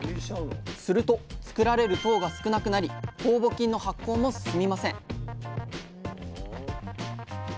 すると作られる糖が少なくなり酵母菌の発酵も進みません